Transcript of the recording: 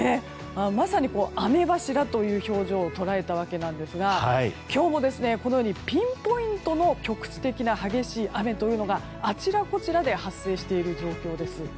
まさに雨柱という表情を捉えたわけなんですが今日もこのようにピンポイントの局地的な激しい雨があちらこちらで発生している状況です。